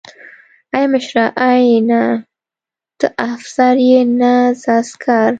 ای مشره ای نه ته افسر يې نه زه عسکر.